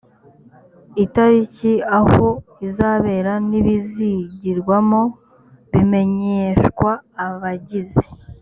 itariki aho izabera n ibizigirwamo bimenyeshwa abagize